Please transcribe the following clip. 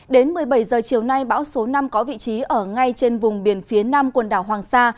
đến một mươi bảy h chiều nay bão số năm có vị trí ở ngay trên vùng biển phía nam quần đảo hoàng sa